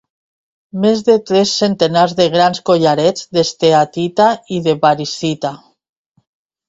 Més de tres centenars de grans collarets d'esteatita i de variscita.